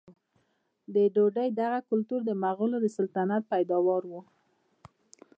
د ډوډۍ دغه کلتور د مغولو د سلطنت پیداوار و.